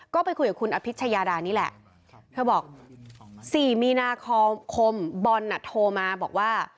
ก็ไปคุยกับคุณอภิชยาดานี่แหละเธอบอก๔มีนาคมคมบอลน่ะโทรมาบอกว่า